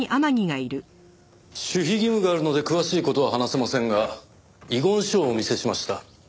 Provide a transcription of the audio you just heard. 守秘義務があるので詳しい事は話せませんが遺言書をお見せしました。